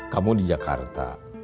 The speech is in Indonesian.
kamu di jakarta